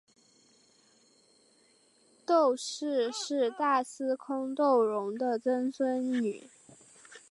窦氏是大司空窦融的曾孙女。